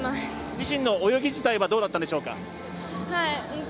自身の泳ぎ自体はどうだったんでしょうか。